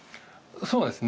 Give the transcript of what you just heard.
そうですね